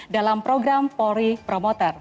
dalam program polri promoter